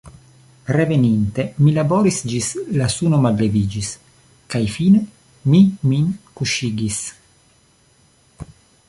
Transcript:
Reveninte, mi laboris ĝis la suno malleviĝis, kaj fine mi min kuŝigis.